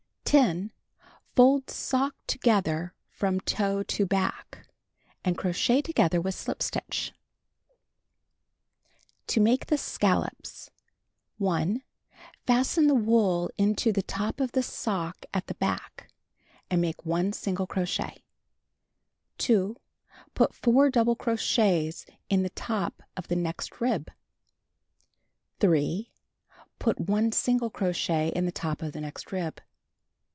10. Fold sock together from toe to back, and ■rochet together with slip stitch. The Magic Paper 229 single To Make the Scallops: 1. Fasten the wool into the top of the sock at the back, and make 1 crochet. 2. Put 4 double crochets in the top of the next rib. 3. Put 1 single crochet in the top of the next rib.